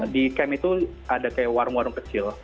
di camp itu ada kayak warung warung kecil